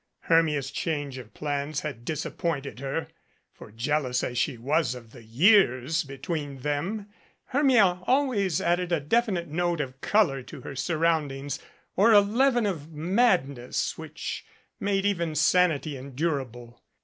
Hermia's change of plans had disappointed her; for, jealous as she was of the years between them, Hermia al ways added a definite note of color to her surroundings, or a leaven of madness which made even sanity endurable.